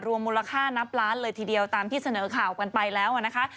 มูลค่านับล้านเลยทีเดียวตามที่เสนอข่าวกันไปแล้วนะคะ